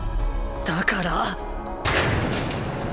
だから？